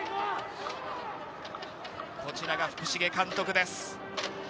こちらが福重監督です。